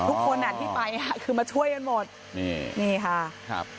ทุกคนอ่ะที่ไปค่ะคือมาช่วยกันหมดนี่นี่ค่ะครับ